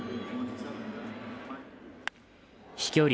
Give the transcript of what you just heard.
飛距離